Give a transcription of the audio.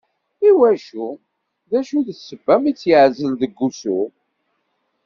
I wacu, d acu n ssebba mi tt-yeɛzel deg wusu.